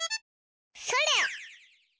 それ！